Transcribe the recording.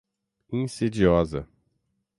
insidiosa